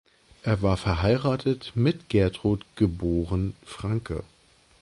Er war verheiratet mit Gertrud geboren Franke.